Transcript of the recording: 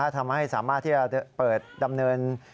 ทำให้สามารถที่จะเปิดดำเนิน